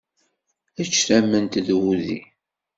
Ečč tamment d wudi!